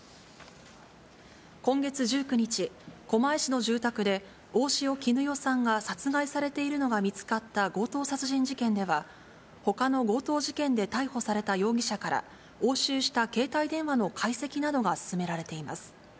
今月１９日、狛江市の住宅で、大塩衣与さんが殺害されているのが見つかった強盗殺人事件では、ほかの強盗事件で逮捕された容疑者から、押収した携帯電話の解析などが進められています。